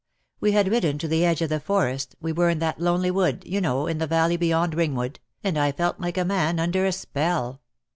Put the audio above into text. We had ridden to the edge of the Forest, we were in that lonely wood, you know, in the valley beyond Ringwood, and I felt like a man under a spell.